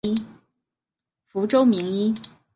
福州名医。